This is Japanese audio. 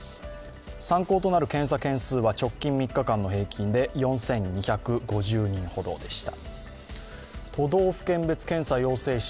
参考となる検査件数は直近３日間の平均で４２５０人ほどでした。